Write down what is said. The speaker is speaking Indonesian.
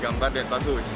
gambar dan bagus